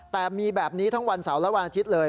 แต่มีแบบนี้ทั้งวันเสาร์และวันอาทิตย์เลย